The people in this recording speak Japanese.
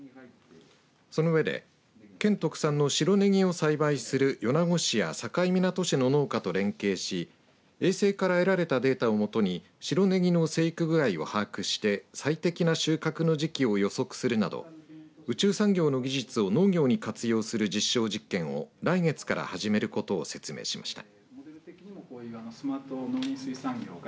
その上で、県特産の白ネギを栽培する米子市や境港市の農家と連携し衛星から得られたデータをもとに白ネギの成育具合を把握して最適な収穫の時期を予測するなど宇宙産業の技術を農業に活用する実証実験を来月から始めることを説明しました。